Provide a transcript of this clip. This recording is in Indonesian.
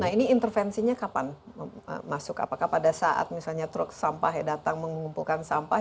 nah ini intervensinya kapan masuk apakah pada saat misalnya truk sampah datang mengumpulkan sampah